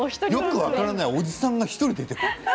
分からないおじさんが１人で出てくる。